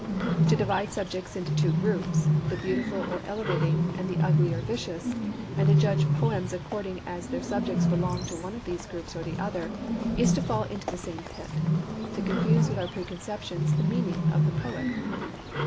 To divide subjects into two groups, the beautiful or elevating, and the ugly or vicious, and to judge poems according as their subjects belong to one of these groups or the other, is to fall into the same pit, to confuse with our pre conceptions the meaning of the poet.